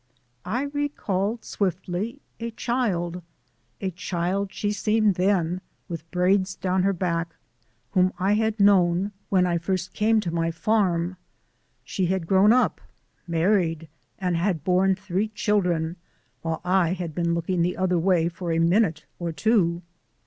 I recalled swiftly a child a child she seemed then with braids down her back, whom I had known when I first came to my farm. She had grown up, married, and had borne three children, while I had been looking the other way for a minute or two.